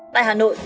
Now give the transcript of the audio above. tại hà nội